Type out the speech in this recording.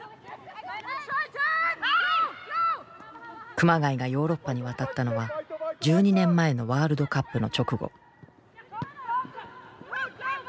熊谷がヨーロッパに渡ったのは１２年前のワールドカップの直後。